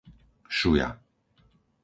Šuja